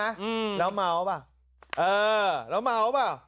อืมแล้วเมาป่ะเออแล้วเมาเปล่า